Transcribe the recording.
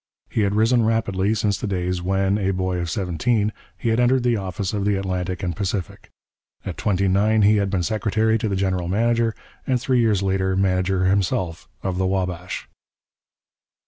He had risen rapidly since the days when, a boy of seventeen, he had entered the office of the Atlantic and Pacific. At twenty nine he had been secretary to the general manager, and three years later manager himself, of the Wabash.